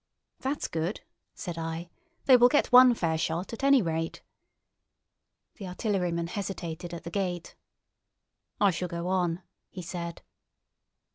"That's good!" said I. "They will get one fair shot, at any rate." The artilleryman hesitated at the gate. "I shall go on," he said.